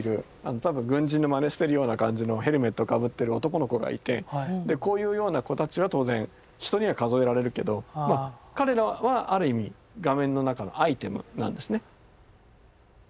多分軍人のまねしてるような感じのヘルメットかぶってる男の子がいてこういうような子たちは当然人には数えられるけど彼らはある意味画面の中のアイテムなんですね。